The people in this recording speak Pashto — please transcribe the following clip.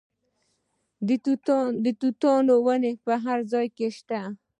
د توتانو ونې په هر ځای کې شته.